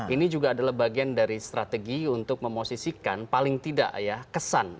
ini juga adalah bagian dari strategi untuk memosisikan paling tidak ya kesan